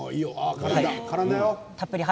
からんだよ。